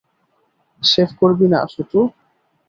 Shave করবি না, শুটু?